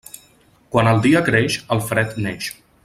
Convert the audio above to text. Quan el dia creix, el fred neix.